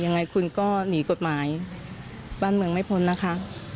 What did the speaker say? ยังไงคุณก็หนีกฎหมายบ้านเมืองไม่พ้นนะคะ